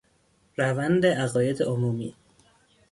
روند عقاید عمومی